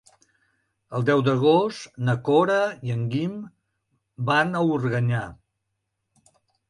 El deu d'agost na Cora i en Guim van a Organyà.